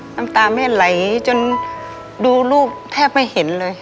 น้ำตาแม่ไหลจนดูลูกแทบไม่เห็นเลย